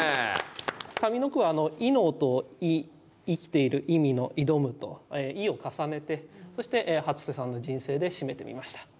上の句は「い」の音「生きている」「意味」の「挑む」と「い」を重ねてそして初瀬さんの人生で締めてみました。